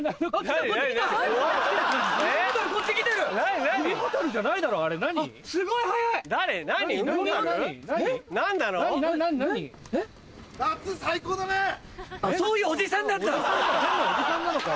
ただのおじさんなのか。